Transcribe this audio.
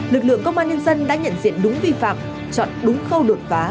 lực lượng công an nhân dân đã nhận diện đúng vi phạm chọn đúng khâu đột phá